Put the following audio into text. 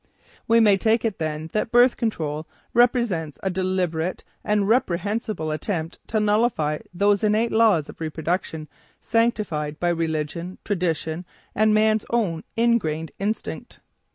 We may take it, then, that "birth control" represents a deliberate and reprehensible attempt to nullify those innate laws of reproduction sanctioned by religion, tradition and man's own ingrained instinct.